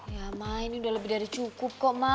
ya ma ini udah lebih dari cukup kok ma